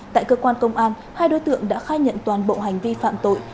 tại cơ quan công an hai đối tượng đã khai nhận toàn bộ hành vi phạm tội